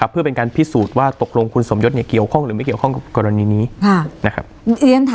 เพื่อเป็นการพิสูจน์ว่าตกลงคุณสมยศเกี่ยวข้องหรือไม่เกี่ยวข้องกับกรณีนี้นะครับ